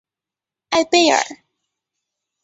艾贝尔。